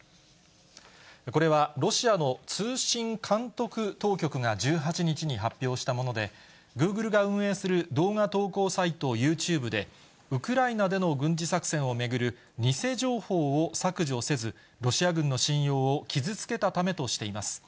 これはロシアの通信監督当局が１８日に発表したもので、グーグルが運営する動画投稿サイト、ユーチューブで、ウクライナでの軍事作戦を巡る偽情報を削除せず、ロシア軍の信用を傷つけたためとしています。